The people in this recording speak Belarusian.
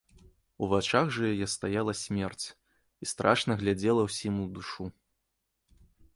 У вачах жа яе стаяла смерць і страшна глядзела ўсім у душу.